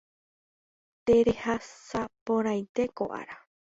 Terehasaporãite ko ára